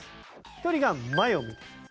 １人が前を向いている。